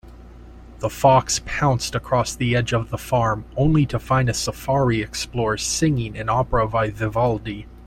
The fox pounced across the edge of the farm, only to find a safari explorer singing an opera by Vivaldi.